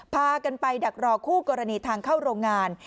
พากันไปดักรอคู่กรณีทางเข้าโรงงาน